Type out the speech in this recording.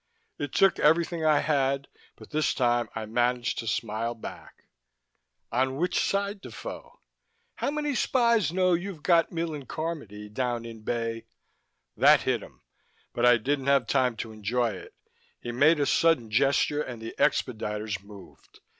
It took everything I had, but this time I managed to smile back. "On which side, Defoe? How many spies know you've got Millen Carmody down in Bay " That hit him. But I didn't have time to enjoy it. He made a sudden gesture, and the expediters moved.